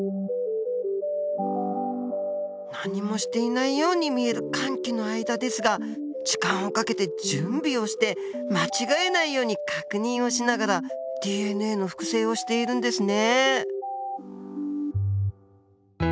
何もしていないように見える間期の間ですが時間をかけて準備をして間違えないように確認をしながらＤＮＡの複製をしているんですね。